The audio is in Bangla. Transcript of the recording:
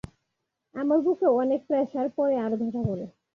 আমার বুকে অনেক প্রেসার পরে আর ব্যথা করে।